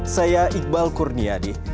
saya iqbal kurniadi